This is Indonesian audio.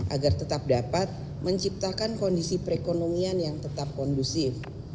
agar tetap dapat menciptakan kondisi perekonomian yang tetap kondusif